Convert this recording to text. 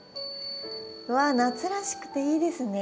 うわ夏らしくていいですね。